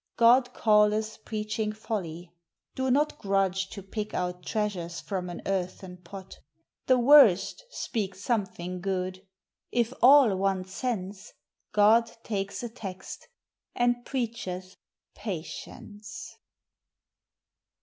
God calleth preaching folly. Do not grudge To pick out treasures from an earthen pot. The worst speak something good: if all want sense, God takes a text, and preacheth Pa ti ence.